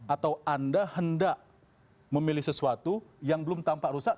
atau anda hendak memilih sesuatu yang belum tampak rusak